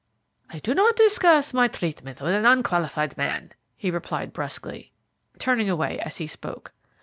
"I do not discuss my treatment with an unqualified man," he replied brusquely, turning away as he spoke.